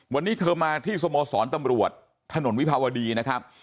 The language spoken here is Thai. วันนี้เธอมาที่สโมสรตำรวจถนนวิภาวดีนะครับ